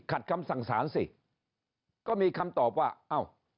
ขัดคำสั่งสารสิก็มีคำตอบว่า